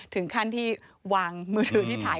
ถึงขั้นที่วางมือถือที่ถ่าย